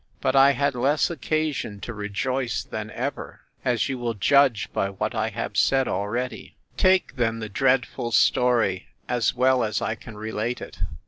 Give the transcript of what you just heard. But I had less occasion to rejoice than ever, as you will judge by what I have said already. Take, then, the dreadful story, as well as I can relate it.